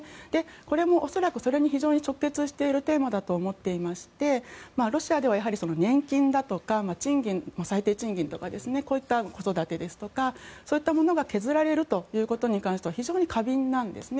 これも恐らくそれに直結しているテーマだと思っていましてロシアでは年金だとか最低賃金ですとかこういった子育てですとかそういったものが削られることに関しては非常に過敏なんですね。